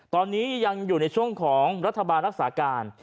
ตอนนี้ยังอยู่ในช่วงของรัฐบาลรักษาการ